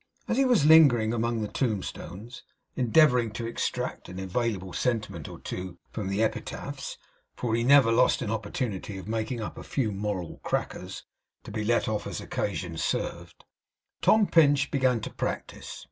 As he was lingering among the tombstones, endeavouring to extract an available sentiment or two from the epitaphs for he never lost an opportunity of making up a few moral crackers, to be let off as occasion served Tom Pinch began to practice.